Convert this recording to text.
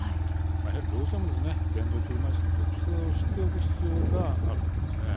やはり行政も電動車いすの特性を知っておく必要があると思います。